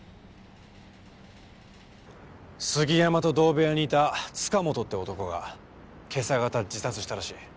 杉山と同部屋にいた塚本って男が今朝方自殺したらしい。